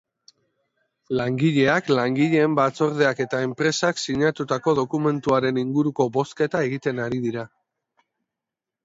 Langileak langileen batzordeak eta enpresak sinatutako dokumentuaren inguruko bozketa egiten ari dira.